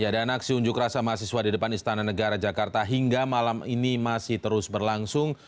dan aksi unjuk rasa mahasiswa di depan istana negara jakarta hingga malam ini masih terus berlangsung